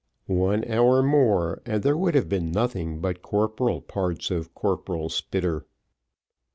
One hour more, and there would have been nothing but corporal parts of Corporal Spitter.